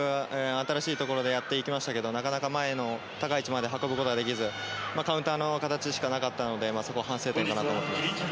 新しいところでやっていきましたけどなかなか前の高い位置まで運ぶことができずカウンターの形しかなかったので反省点かと思っています。